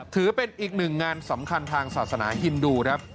ถือเป็นอีกหนึ่งงานสำคัญทางศาสนาฮินดูครับ